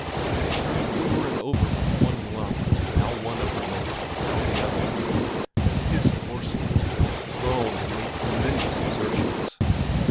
They turned over and over like one lump, now one uppermost, now the other; they hissed hoarsely, groaned and made tremendous exertions.